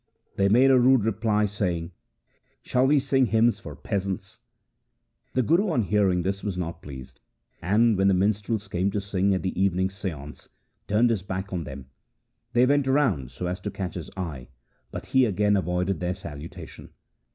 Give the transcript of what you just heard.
They made a rude reply, saying, ' Shall we sing hymns for peasants ?' The Guru on hearing this was not pleased, and, when the minstrels came to sing at the evening seance, turned his back on them. They went round so as to catch his eye, but he again avoided their salutation.